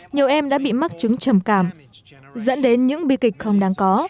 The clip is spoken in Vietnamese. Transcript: nhiều em đã bị mắc chứng trầm cảm dẫn đến những bi kịch không đáng có